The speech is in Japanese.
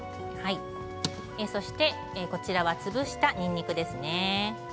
そして潰したにんにくですね。